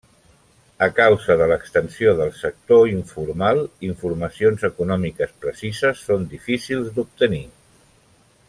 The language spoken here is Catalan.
A causa de l'extensió del sector informal, informacions econòmiques precises són difícils d'obtenir.